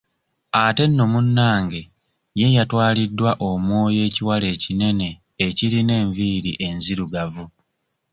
Ate nno munnange ye yatwaliddwa omwoyo ekiwala ekinene ekirina enviiri enzirugavu.